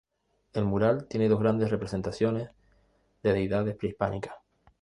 El mural tiene dos grandes representaciones de deidades prehispánicas.